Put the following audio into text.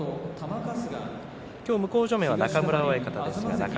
今日の向正面は中村親方です。